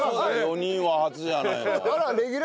４人は初じゃないの？